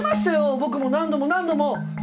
僕も何度も何度も。